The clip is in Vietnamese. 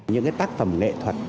những cái tác phẩm nghệ thuật